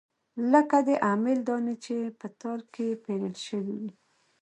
لکه د امېل دانې چې پۀ تار کښې پېرلے شوي وي